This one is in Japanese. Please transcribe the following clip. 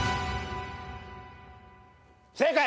正解！